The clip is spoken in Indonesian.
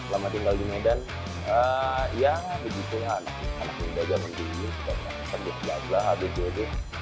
lama tinggal di medan ya begitu ya anak anak ini saja mendingin